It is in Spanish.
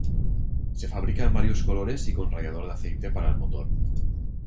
Se fabrica en varios colores y con radiador de aceite para el motor.